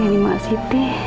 ini mak siti